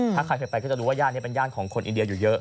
ถ้าใครเคยไปก็จะรู้ว่าย่านนี้เป็นย่านของคนอินเดียอยู่เยอะ